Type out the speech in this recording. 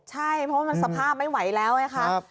ใช่เพราะว่ามันสภาพไม่ไหวแล้วไงคะ